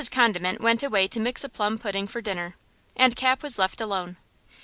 Condiment went away to mix a plum pudding for dinner, and Cap was left alone.